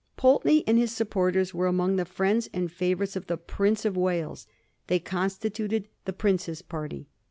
Pulteney and his supporters were among the friends and favourites of the Prince of Wales ; they constituted the Prince's party.